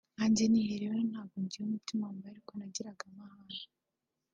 nkanjye nihereyeho ntabwo ngira umutima mubi ariko nagiraga amahane